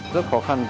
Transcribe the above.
rất khó khăn